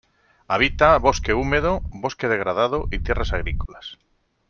Habita bosque húmedo, bosque degradado y tierras agrícolas.